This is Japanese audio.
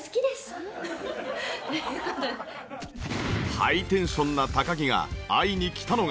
ハイテンションな高城が会いに来たのが。